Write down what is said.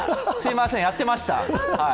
すいません、やってました。